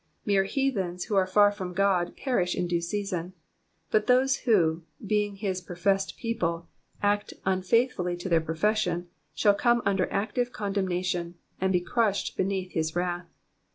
Mere heathens, who are far from God, perish in due season ; but those who, being his professed people, act unfaithfully to their profession, shall come under active condemnation, and be crushed beneath his wrath.